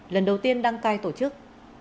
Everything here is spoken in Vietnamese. lần đầu tiên đăng cai tổ chức